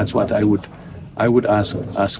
itu yang saya inginkan